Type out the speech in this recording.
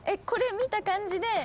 これ見た感じで。